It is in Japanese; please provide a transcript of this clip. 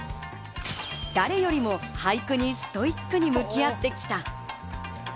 誰よりも俳句にストイックに向き合ってきた。